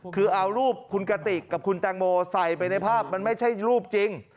คือเอารูปคุณกติกกับคุณแตงโมใส่ไปในภาพมันไม่ใช่รูปจริง